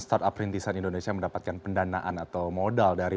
start up rintisan indonesia mendapatkan pendanaan atau modal dari